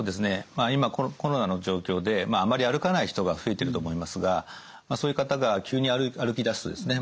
まあ今コロナの状況であんまり歩かない人が増えてると思いますがそういう方が急に歩きだすとですね